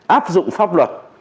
áp dụng pháp luật